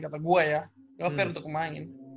kata gue ya gak fair untuk pemain